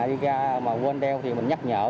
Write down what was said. đi ra mà quên đeo thì mình nhắc nhở